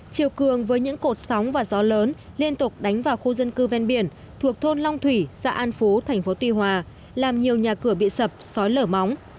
chiều cường với những cột sóng và gió lớn liên tục đánh vào khu dân cư ven biển thuộc thôn long thủy xã an phú thành phố tuy hòa làm nhiều nhà cửa bị sập sói lở móng